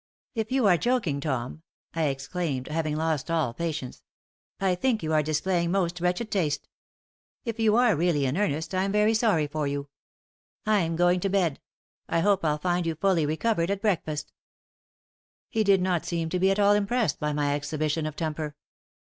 "If you are joking, Tom," I exclaimed, having lost all patience, "I think you are displaying most wretched taste. If you are really in earnest, I am very sorry for you. I'm going to bed. I hope I'll find you fully recovered at breakfast." He did not seem to be at all impressed by my exhibition of temper.